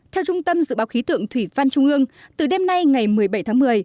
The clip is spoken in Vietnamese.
theo trung tâm dự báo khí tượng thủy văn trung ương từ đêm nay ngày một mươi bảy tháng một mươi